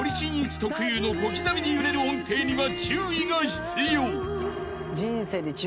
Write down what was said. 特有の小刻みに揺れる音程には注意が必要］